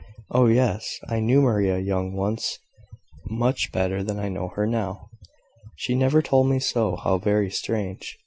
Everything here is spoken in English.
Oh yes, I knew Maria Young once, much better than I know her now." "She never told me so. How very strange!"